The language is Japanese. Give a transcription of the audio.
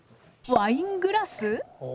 ワイングラス？